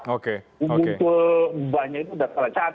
mungkul ubahnya itu sudah telah